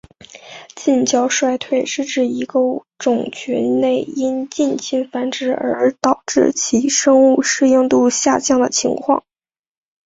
近交衰退是指一个种群内因近亲繁殖而导致其生物适应度下降的情况。